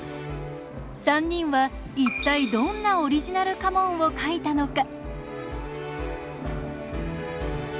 ３人は一体どんなオリジナル家紋をかいたのか？